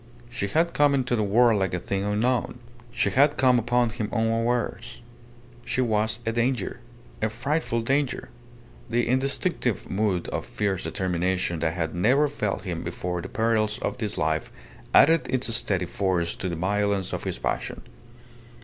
She had come into the world like a thing unknown. She had come upon him unawares. She was a danger. A frightful danger. The instinctive mood of fierce determination that had never failed him before the perils of this life added its steady force to the violence of his passion.